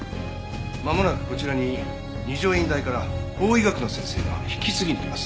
まもなくこちらに二条院大から法医学の先生が引き継ぎに来ます。